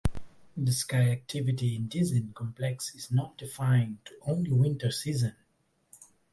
The ski activity in Dizin complex is not confined to only winter season.